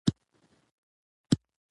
که نجونې سفیرانې شي نو اړیکې به نه خرابیږي.